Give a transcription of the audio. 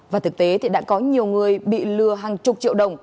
và thực tế thì đã có nhiều người bị lừa hàng chục triệu đồng